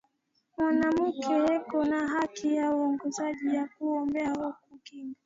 Mwanamuke eko na haki ya uwongozaji ya ku omba ao ku kinga